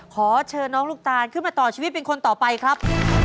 ขอเชิญน้องลูกตานขึ้นมาต่อชีวิตเป็นคนต่อไปครับ